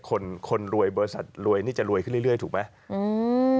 คนคนรวยบริษัทรวยนี่จะรวยขึ้นเรื่อยถูกไหมอืม